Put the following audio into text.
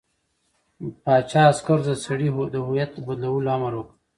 پاچا عسکرو ته د سړي د هویت د بدلولو امر وکړ.